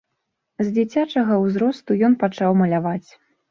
З дзіцячага ўзросту ён пачаў маляваць.